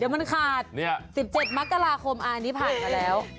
มักกะหลาโคมอาร์นนี้ผ่านมาแล้ว